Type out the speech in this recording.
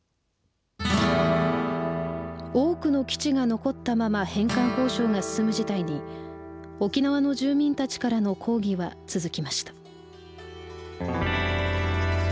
多くの基地が残ったまま返還交渉が進む事態に沖縄の住民たちからの抗議は続きました。